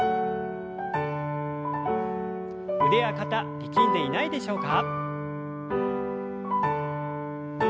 腕や肩力んでいないでしょうか。